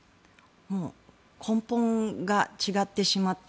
根本が違ってしまった。